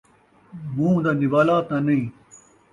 مون٘ہہ دا نوالہ تاں نئیں